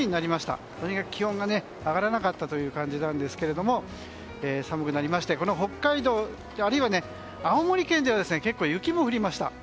とにかく気温が上がらなかったという感じですが寒くなりまして北海道あるいは青森県では結構、雪も降りました。